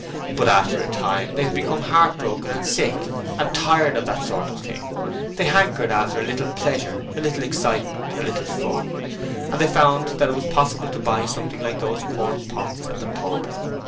But after a time they had become heartbroken and sick and tired of that sort of thing. They hankered after a little pleasure, a little excitement, a little fun, and they found that it was possible to buy something like those in quart pots at the pub.